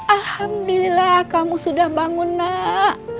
alhamdulillah kamu sudah bangun nak